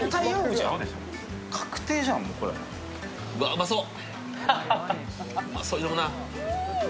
うまそう！